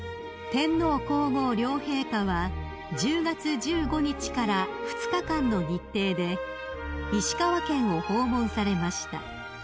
［天皇皇后両陛下は１０月１５日から２日間の日程で石川県を訪問されました］